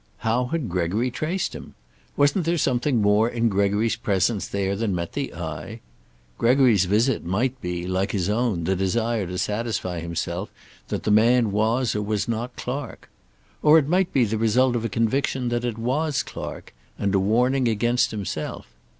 How had Gregory traced him? Wasn't there something more in Gregory's presence there than met the eye? Gregory's visit might be, like his own, the desire to satisfy himself that the man was or was not Clark. Or it might be the result of a conviction that it was Clark, and a warning against himself.